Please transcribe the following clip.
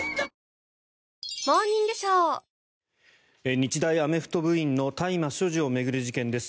日大アメフト部員の大麻所持を巡る事件です。